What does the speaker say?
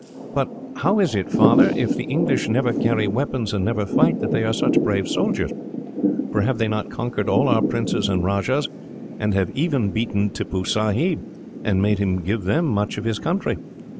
"But how is it, Father, if the English never carry weapons, and never fight, that they are such brave soldiers? For have they not conquered all our princes and rajahs, and have even beaten Tippoo Sahib, and made him give them much of his country?"